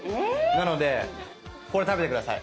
なのでこれ食べて下さい。